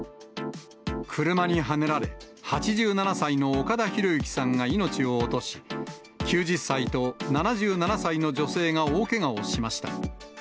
車にはねられ、８７歳の岡田博行さんが命を落とし、９０歳と７７歳の女性が大けがをしました。